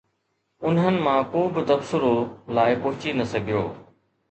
انهن مان ڪو به تبصرو لاء پهچي نه سگهيو